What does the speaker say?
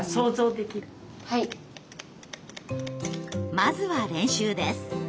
まずは練習です。